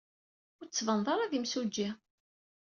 Ur d-tettbaned ara d imsujji.